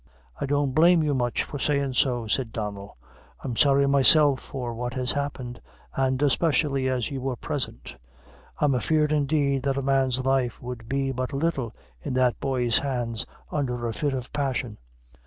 "I don't blame you much for sayin' so," replied Donnel. "I'm sorry myself for what has happened, and especially as you were present. I'm afeard, indeed', that a man's life would be but little in that boy's hands under a fit of passion.